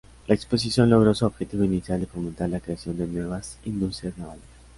La exposición logró su objetivo inicial de fomentar la creación de nuevas industrias navales.